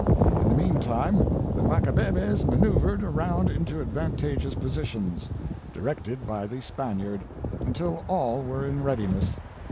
In the meantime the Macabebes manoeuvred around into advantageous positions, directed by the Span iard, until all were in readiness.